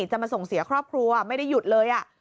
จะมาส่งเสียครอบครัวไม่ได้หยุดเลย